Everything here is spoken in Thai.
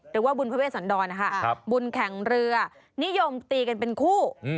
หรือว่าบุญพระเวสันดรนะคะบุญแข่งเรือนิยมตีกันเป็นคู่